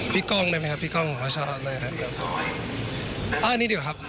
พี่กล้องได้มั้ยครับพี่กล้องเขาชอบนะครับ